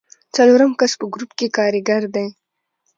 څلورم کس په ګروپ کې کاریګر دی.